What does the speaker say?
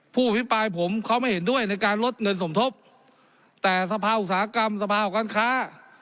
ผู้อภิปรายผมเขาไม่เห็นด้วยในการลดเงินสมทบแต่สภาอุตสาหกรรมสภาของการค้า